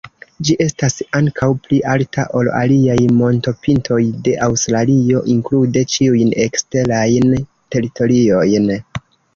Ĝi estas ankaŭ pli alta ol aliaj montopintoj de Aŭstralio, inklude ĉiujn eksterajn teritoriojn.